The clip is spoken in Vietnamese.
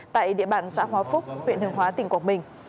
tại địa bàn xã hóa phúc huyện hướng hóa tỉnh quảng bình